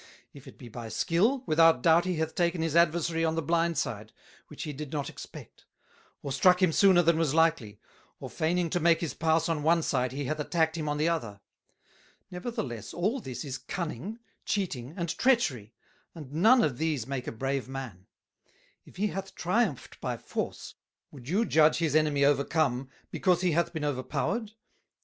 If it be by Skill, without doubt he hath taken his Adversary on the blind side, which he did not expect; or struck him sooner than was likely, or faining to make his Pass on one side, he hath attacked him on the other: Nevertheless all this is Cunning, Cheating, and Treachery, and none of these make a brave Man: If he hath triumphed by Force, would you judge his Enemy overcome, because he hath been over powered?